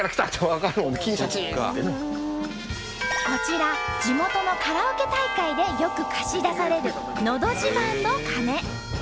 こちら地元のカラオケ大会でよく貸し出される「のど自慢」の鐘。